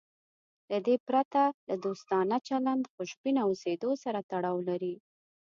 له دې پرته له دوستانه چلند خوشبینه اوسېدو سره تړاو لري.